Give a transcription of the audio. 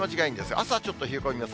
朝、ちょっと冷え込みます。